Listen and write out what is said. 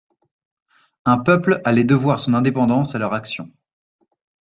Un peuple allait devoir son indépendance à leur action.